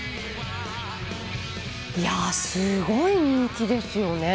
いやすごい人気ですよね。